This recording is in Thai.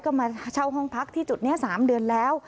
ก็มาเช่าห้องพักที่จุดนี้๓เดือนแล้ว